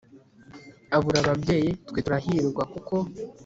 abura ababyeyi; twe turahirwa, kuko